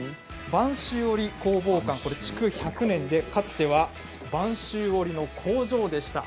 播州織工房館、築１００年でかつては播州織の工場でした。